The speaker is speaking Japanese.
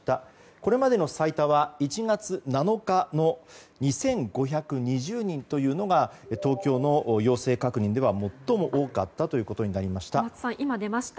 これまでの最多は１月７日の２５２０人というのが東京の陽性確認では最も多かったことになりました。